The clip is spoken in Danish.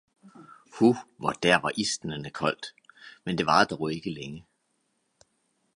hu, hvor der var isnende koldt, men det varede dog ikke længe.